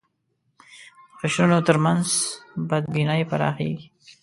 د قشرونو تر منځ بدبینۍ پراخېږي